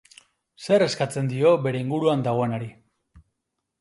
Zer eskatzen dio bere inguruan dagoenari?